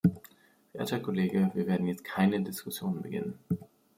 Verehrter Kollege, wir werden jetzt keine Diskussion beginnen!